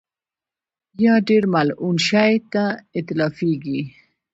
یا ډېر ملعون شي ته اطلاقېږي.